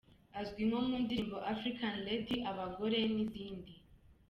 Azwi nko mu ndirimbo "African Lady", "Abagore" n’izindi.